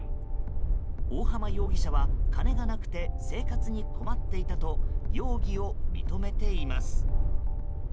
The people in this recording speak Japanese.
大浜容疑者は金がなくて生活に困っていたと容疑を認めています。